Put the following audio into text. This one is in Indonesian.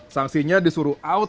sanksinya disuruh out